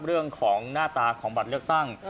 เรื่องของหน้าตาของบัตรเลือกตั้ง